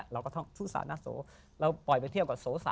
เราก็ท่องภูตรหน้าโส